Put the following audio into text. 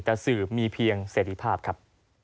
แต่สื่อมีเพียงเสรีภาพครับ